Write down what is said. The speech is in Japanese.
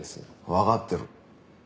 わかってる。